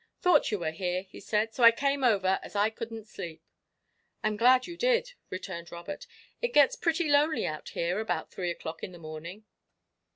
"Thought you were here," he said, "so I came over, as I couldn't sleep." "I'm glad you did," returned Robert. "It gets pretty lonely out here about three o'clock in the morning."